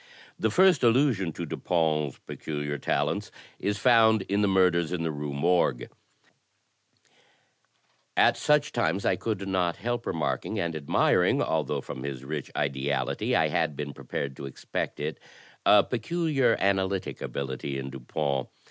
The first allusion to Dupin's peculiar talents is found in ''The Murders in the Rue Morgue": At such times I could not help remarking and admiring (al though from his rich ideality I had been prepared to expect it) a peculiar analytic ability in Dupin.